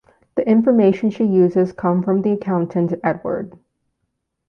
The information she uses come from the accountant Edward.